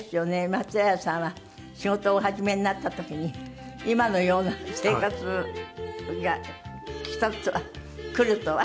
松平さんは仕事をお始めになった時に今のような生活が来るとは。